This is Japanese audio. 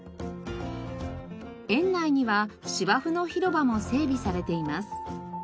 園内には芝生の広場も整備されています。